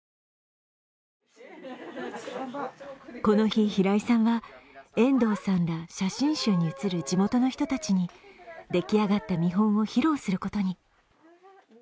この日、平井さんは遠藤さんら写真集に写る地元の人たちにでき上がった見本を披露することに。